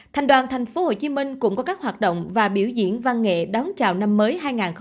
thành đoàn tp hcm cũng có các hoạt động và biểu diễn văn nghệ đón chào năm mới hai nghìn hai mươi